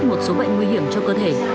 một số bệnh nguy hiểm cho cơ thể